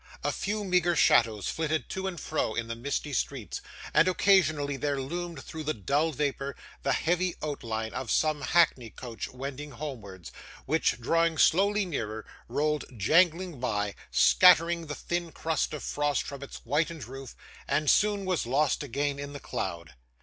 A few meagre shadows flitted to and fro in the misty streets, and occasionally there loomed through the dull vapour, the heavy outline of some hackney coach wending homewards, which, drawing slowly nearer, rolled jangling by, scattering the thin crust of frost from its whitened roof, and soon was lost again in the cloud.